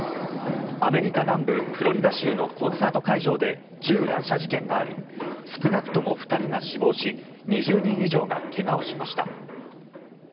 アメリカ南部フロリダ州のコンサート会場で銃乱射事件があり少なくとも２人が死亡し２０人以上が怪我をしました。